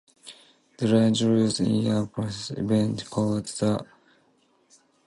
The range rose in a Precambrian event called the Aravalli-Delhi Orogen.